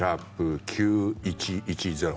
「＃９１１０」。